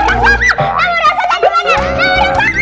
nyamuk raksasanya dimana